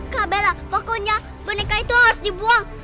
kak bela pokoknya boneka itu harus dibuang